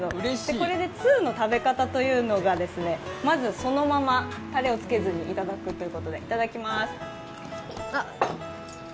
これでツウの食べ方というのが、まずそのままたれをつけずにいただくということで、いただきます。